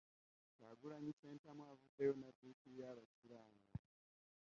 Kyagulanyi Ssentamu avuddeyo n'addukira abasiraamu.